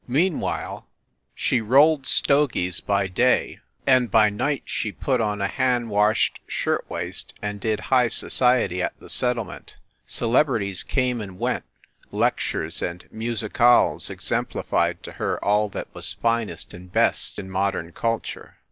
Meanwhile she rolled stogies by day, and by night no FIND THE WOMAN she put on a hand washed shirtwaist and did high society at the settlement. Celebrities came and went, lectures and musicales exemplified to her all that was finest and best in modern culture.